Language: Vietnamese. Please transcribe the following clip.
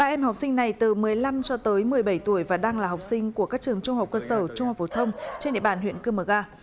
ba em học sinh này từ một mươi năm cho tới một mươi bảy tuổi và đang là học sinh của các trường trung học cơ sở trung học phổ thông trên địa bàn huyện cư mờ ga